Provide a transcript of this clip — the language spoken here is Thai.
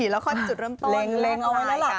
แล้วค่อยจุดเริ่มต้นเล็งเอาไว้แล้วล่ะ